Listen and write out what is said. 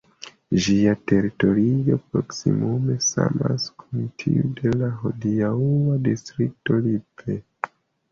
Ĝia teritorio proksimume samas kun tiu de la hodiaŭa distrikto Lippe.